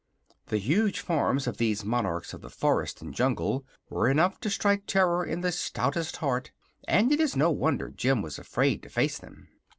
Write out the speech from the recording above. The huge forms of these monarchs of the forest and jungle were enough to strike terror to the stoutest heart, and it is no wonder Jim was afraid to face them.